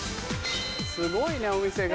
すごいねお店が。